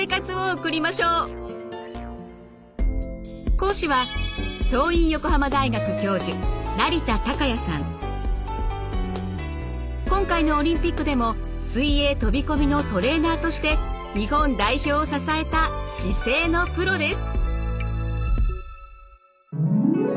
講師は今回のオリンピックでも水泳飛び込みのトレーナーとして日本代表を支えた姿勢のプロです。